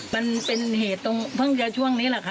มันเป็นเหตุตรงเพิ่งจะช่วงนี้แหละค่ะ